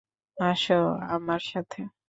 আসো আমার সাথে।